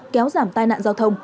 kéo giảm tai nạn